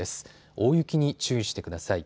大雪に注意してください。